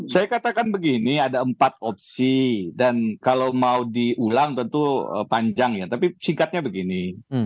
saya katakan begini ada empat opsi dan kalau mau diulang tentu panjang ya tapi singkatnya begini